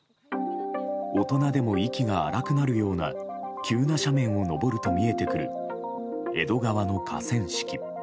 大人でも息が荒くなるような急な斜面を上ると見えてくる江戸川の河川敷。